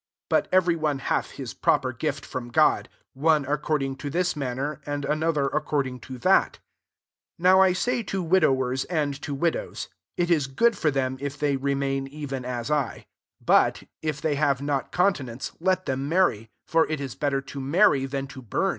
But every one hath his proper gift from God ; one according to this manner, and another ac cording to that. 8 Now I say to widowers and to widows. It ^ good for them if they remain ev«Q a^ i. 9 But, if they have not conti nence, let them marry : for it is better to marry than to bum.